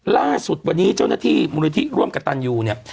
ล่าสุดวันนี้เจ้าหน้าที่มูลนิธิร่วมกับตันยูเนี่ย